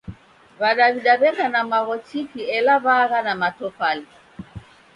W'adaw'ida w'eka na magho chiki ela w'aagha na matofali